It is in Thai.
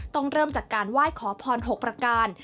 ต้องเริ่มจากการไหว้ขอพร๖ประการ